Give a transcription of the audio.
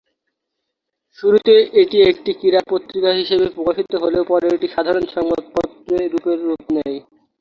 শুরুতে এটি একটি ক্রীড়া পত্রিকা হিসেবে প্রকাশিত হলেও পরে এটি সাধারণ সংবাদপত্রে রুপ নেয়।